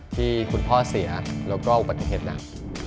ที่คุณพ่อเสียแล้วก็อุบัติเหตุหนัก